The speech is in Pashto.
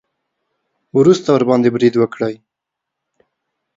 وروسته ورباندې برید وکړي.